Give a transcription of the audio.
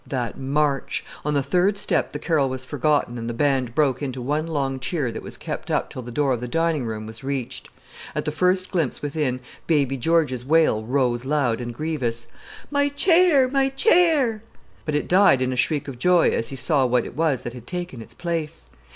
That march! On the third step the carol was forgotten and the band broke into one long cheer that was kept up till the door of the dining room was reached. At the first glimpse within, baby George's wail rose loud and grievous: "My chair! my chair!" But it died in a shriek of joy as he saw what it was that had taken its place.